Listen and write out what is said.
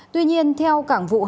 tuy nhiên theo cảng vụ hạng